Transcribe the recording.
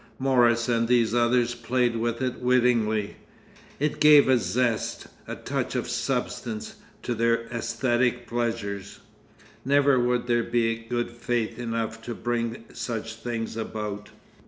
Morris and these others played with it wittingly; it gave a zest, a touch of substance, to their aesthetic pleasures. Never would there be good faith enough to bring such things about.